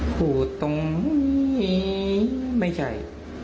พูดตรงนี้ไม่ใช่